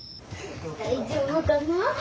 ・大丈夫かなあ。